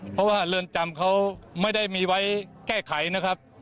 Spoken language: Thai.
เพราะว่าเรือนจำเขาไม่ได้มีไว้แก้ไขนะครับ